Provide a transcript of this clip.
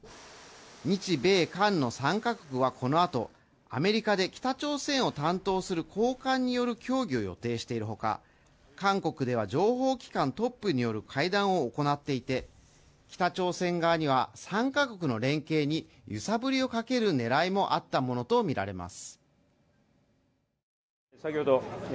日米韓の３か国はこのあとアメリカで北朝鮮を担当する高官による協議を予定しているほか韓国では情報機関トップによる会談を行っていて北朝鮮側には３か国の連携に揺さぶりをかけるねらいもあったものと見られます